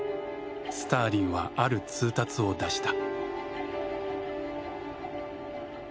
スターリンはある通達を出した。